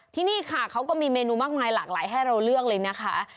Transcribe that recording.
ที่นี่ค่ะเขาก็มีเมนูมากมายหลากหลายให้เราเลือกเลยนะคะ